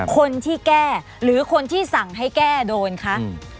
คนที่แก้หรือคนที่สั่งให้แก้โดนคะ